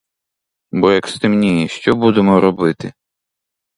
Бо як стемніє, що будемо робити?